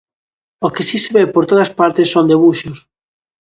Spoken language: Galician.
O que si se ve por todas partes son debuxos.